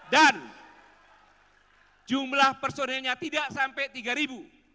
dan jumlah personilnya tidak sampai tiga ribu